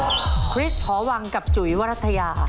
ข้อที่หนึ่งคริสฮวังกับจุ๋ยวรัฐยา